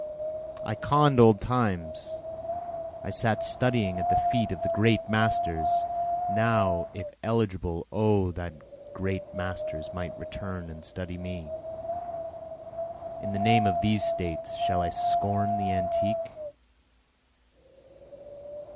I conn'd old times, I sat studying at the feet of the great masters, Now if eligible O that the great masters might return and study me. In the name of these States shall I scorn the antique?